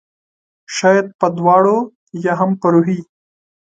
شاید په دواړو ؟ یا هم په روحي